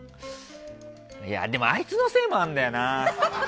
いやでもあいつのせいもあるんだよな。